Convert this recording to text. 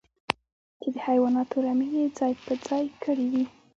چې د حيواناتو رمې يې ځای پر ځای کړې وې.